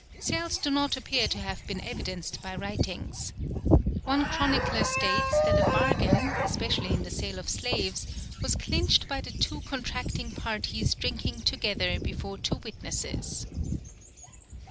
Sales do not appear to have been evidenced by writings. One chronicler states that a bargain, especially in the sale of slaves, was clinched by the two contracting parties drinking together before two witnesses.